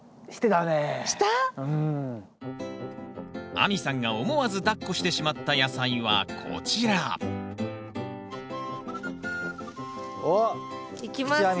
亜美さんが思わずだっこしてしまった野菜はこちらおっ菊地亜美